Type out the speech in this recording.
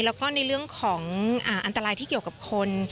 แล้วก็ในเรื่องของอันตรายที่เกี่ยวกับคน